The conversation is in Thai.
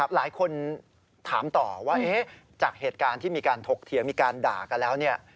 หลายคนถามต่อว่าจากเหตุการณ์ที่มีการถกเถียงมีการด่ากันแล้ว